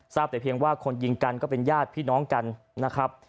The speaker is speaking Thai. แต่เพียงว่าคนยิงกันก็เป็นญาติพี่น้องกันนะครับ